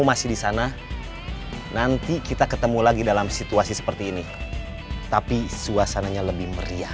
masih di sana nanti kita ketemu lagi dalam situasi seperti ini tapi suasananya lebih meriah